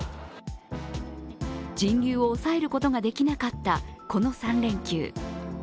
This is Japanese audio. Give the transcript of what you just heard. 人流を抑えることができなかったこの３連休。